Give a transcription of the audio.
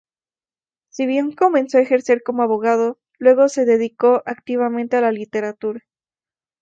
Si bien comenzó a ejercer como abogado, luego se dedicó activamente a la literatura.